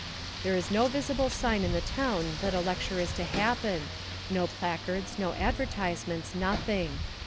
There is no visible sign in the town that a lecture is to happen, no placards, no advertisements, nothing.